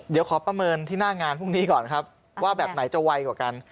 เดี๋ยวขอประเมินที่หน้างานพรุ่งนี้ก่อนครับว่าแบบไหนจะไวกว่ากัน